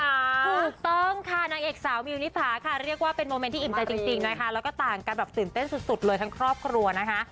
ถูกต้องค่ะนางเอกสาวมิวนิพาค่ะเรียกว่าเป็นโมเมนต์ที่อิ่มใจจริงนะคะแล้วก็ต่างกันแบบตื่นเต้นสุดเลยทั้งครอบครัวนะคะ